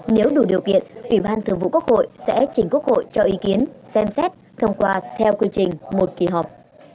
nếu đủ điều kiện ủy ban thường vụ quốc hội sẽ chỉnh quốc hội cho ý kiến xem xét thông qua theo quy trình một kỳ họp